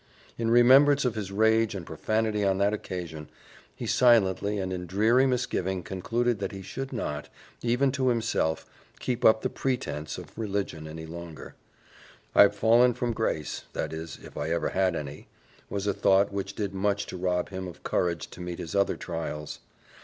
In remembrance of his rage and profanity on that occasion, he silently and in dreary misgiving concluded that he should not, even to himself, keep up the pretense of religion any longer. "I've fallen from grace that is, if I ever had any" was a thought which did much to rob him of courage to meet his other trials.